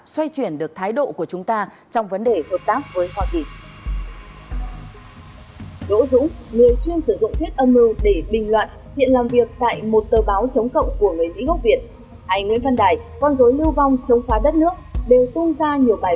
xoay chuyển được thái độ của chúng ta trong vấn đề hợp tác với hoa kỳ